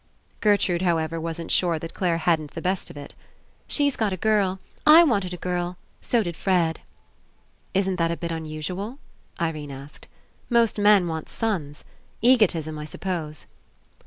Gertrude, however, wasn't sure that Clare hadn't the best of It. "She's got a girl. I wanted a girl. So did Fred." "Isn't that a bit unusual?" Irene asked. "Most men want sons. Egotism, I suppose."